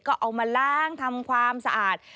ก็เอามาล้างทำความสะอาด